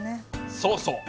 そうそう。